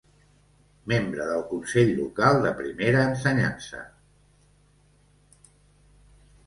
Membre del Consell Local de Primera Ensenyança.